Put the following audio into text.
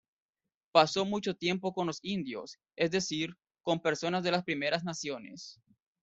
Pasó mucho tiempo con los indios, es decir, con personas de las Primeras Naciones.